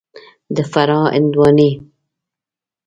د فراه هندوانې